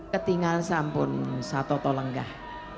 ketinggalan sampun satu tolong enggak